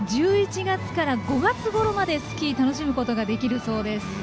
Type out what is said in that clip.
１１月から５月ごろまでスキーを楽しむことができるそうです。